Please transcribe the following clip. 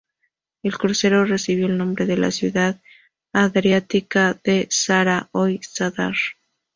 El crucero recibió el nombre de la ciudad adriática de "Zara", hoy "Zadar".